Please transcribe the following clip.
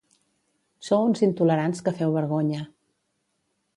Sou uns intolerants que feu vergonya.